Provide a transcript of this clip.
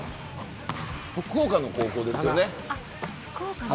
福岡の高校ですよね。